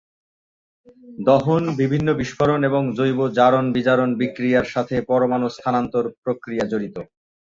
দহন, বিভিন্ন বিস্ফোরণ, এবং জৈব জারণ-বিজারণ বিক্রিয়ার সাথে পরমাণু স্থানান্তর প্রক্রিয়া জড়িত।